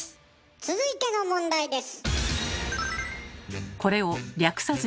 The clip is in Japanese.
続いての問題です。